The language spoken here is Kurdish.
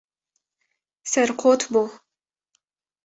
Serqot bû.